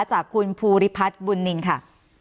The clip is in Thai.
จากคุณภูริพัฒน์บุญนินค่ะ